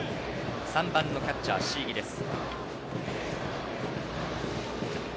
３番のキャッチャー、椎木です。